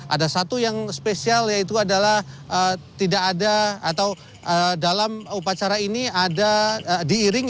ada satu yang spesial yaitu adalah tidak ada atau dalam upacara ini ada diiringi